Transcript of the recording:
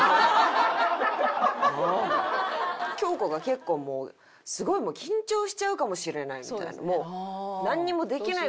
京子が結構もうすごい緊張しちゃうかもしれないみたいな。